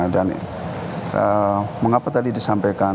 dan mengapa tadi disampaikan